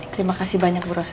terima kasih banyak bu ros